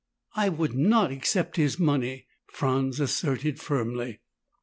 "I would not accept his money," Franz asserted firmly.